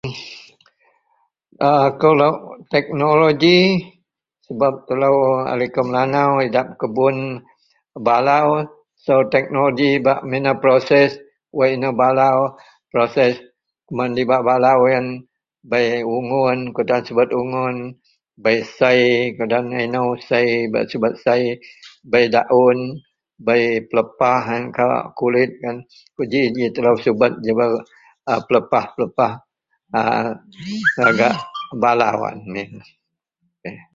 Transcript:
akou lok teknologi sebab telou a liko Melanau idak pekebun balau so teknologi bak minou proses wak inou balau proses kuman dibak balau ien bei ugun kutan subet ugun bei sei keodaan inou sei bak subet sei, bei daun, bei pelepah ien kawak kulit ien ko ji ji telou subet jebai a pelepah-pelapah a lagak balau ien min k